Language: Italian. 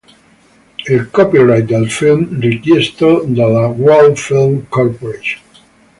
Il copyright del film, richiesto dalla World Film Corp.